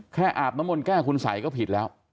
อาบน้ำมนต์แก้คุณสัยก็ผิดแล้ว